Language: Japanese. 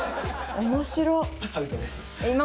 面白っ。